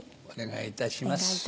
お願いいたします。